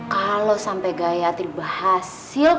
kalau sampai gayatri berhasil